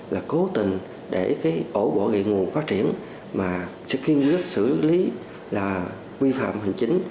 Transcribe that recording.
là cố tình để cái ổ bộ về nguồn phát triển mà sẽ kiên quyết xử lý là vi phạm hành chính